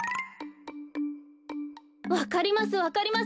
わかりますわかります。